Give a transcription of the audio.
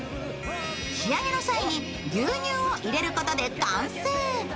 仕上げの際に牛乳を入れることで完成。